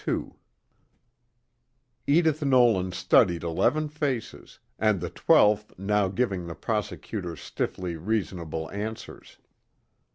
II Edith Nolan studied eleven faces, and the twelfth now giving the prosecutor stiffly reasonable answers.